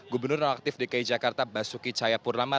gubernur rektif dki jakarta basuki caya purnama